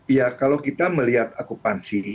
iya kalau kita melihat akupansi